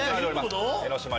江の島に。